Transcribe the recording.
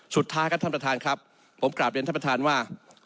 สุดท้ายครับท่านประธานครับผมกลับเรียนท่านประธานว่า